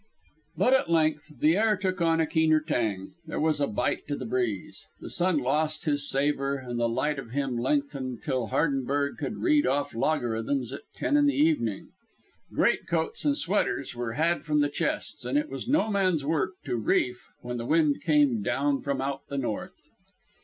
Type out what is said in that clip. But at length the air took on a keener tang; there was a bite to the breeze, the sun lost his savour and the light of him lengthened till Hardenberg could read off logarithms at ten in the evening. Great coats and sweaters were had from the chests, and it was no man's work to reef when the wind came down from out the north.